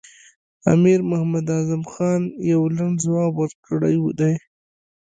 امیر محمد اعظم خان یو لنډ ځواب ورکړی دی.